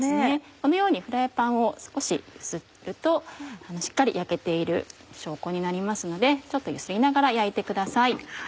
このようにフライパンを少し揺するとしっかり焼けている証拠になりますのでちょっと揺すりながら焼いてください。